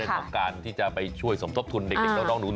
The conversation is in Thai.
เรื่องของการที่จะไปช่วยสมทบทุนเด็กที่ต้องนู